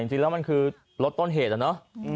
จริงแล้วมันคือรถต้นเหตุนะ